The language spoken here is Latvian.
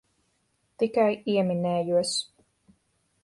Tikai ieminējos.